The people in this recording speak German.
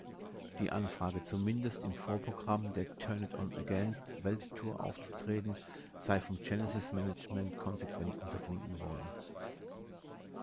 Die Anfrage, zumindest im Vorprogramm der "Turn-It-On-Again"-Welttournee aufzutreten, sei vom Genesis-Management konsequent unterbunden worden.